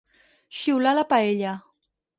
Xiular la paella.